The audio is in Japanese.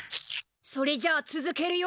それじゃあつづけるよ。